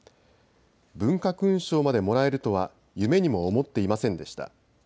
文化勲章までもらえるとは夢にも思っていませんでした。